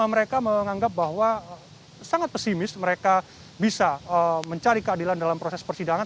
mereka menganggap bahwa sangat pesimis mereka bisa mencari keadilan dalam proses persidangan